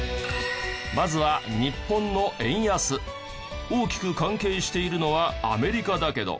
まずは日本の円安大きく関係しているのはアメリカだけど。